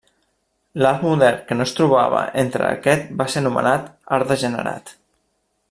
L'art modern que no es trobava entre aquest va ser anomenat art degenerat.